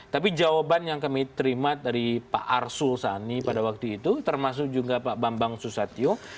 tapi jawaban yang kami terima dari pak arsul sani pada waktu itu termasuk juga pak bambang susatyo